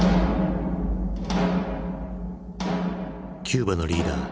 キューバのリーダー